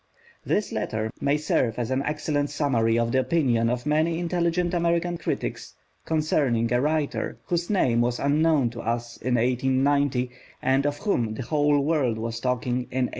This letter may serve as an excellent summary of the opinions of many intelligent American critics concerning a writer whose name was unknown to us in 1890, and of whom the whole world was talking in 1895.